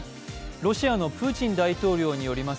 ロシアのプーチン大統領によります